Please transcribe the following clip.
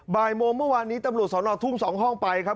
บ่ายโมงเมื่อวานนี้ตำรวจสนทุ่ง๒ห้องไปครับ